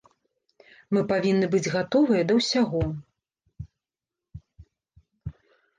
Мы павінны быць гатовыя да ўсяго.